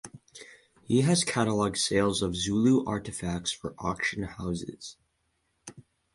He has catalogued sales of Zulu artefacts for auction houses.